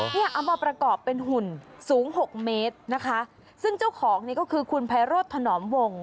เอามาประกอบเป็นหุ่นสูงหกเมตรนะคะซึ่งเจ้าของนี่ก็คือคุณไพโรธถนอมวง